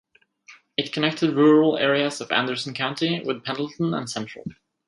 It connected rural areas of Anderson County with Pendleton and Central.